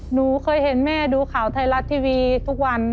หนูเคยเห็นแม่ดูข่าวไทยรัฐทีวีทุกวัน